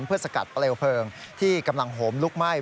เพื่อสกัดเปลวเพลิงที่กำลังโหมลุกไหม้